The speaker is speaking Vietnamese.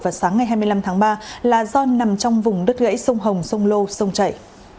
vào sáng ngày hai mươi năm tháng ba là do nằm trong vùng đất gãy sông hồng sông lô sông chảy